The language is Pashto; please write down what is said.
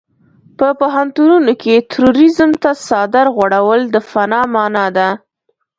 په پوهنتونونو کې تروريزم ته څادر غوړول د فناه مانا لري.